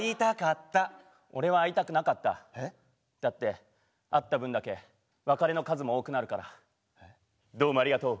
だって会った分だけ別れの数も多くなるからどうもありがとう！